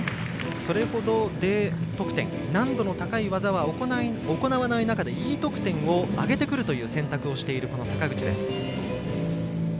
それほどＤ得点難度の高い技は行わない中でＥ得点を上げてくるという選択をしている坂口です。